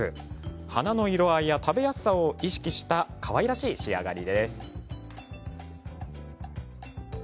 花の色合いや食べやすさを意識したかわいらしい仕上がりです。